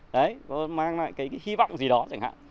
đấy mang lại cái hy vọng gì đó chẳng hạn